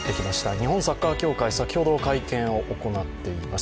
日本サッカー協会、先ほど会見を行っています。